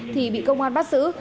thì bị công an bắt giữ